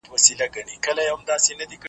همېشه یې وې په شاتو نازولي .